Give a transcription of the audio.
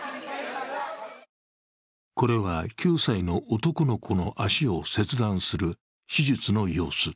これは９歳の男の子の足を切断する手術の様子。